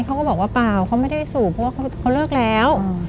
เขาก็บอกว่าเปล่าเขาไม่ได้สูบเพราะว่าเขาเลิกแล้ว